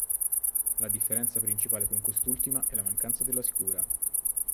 La differenza principale con quest'ultima è la mancanza della sicura.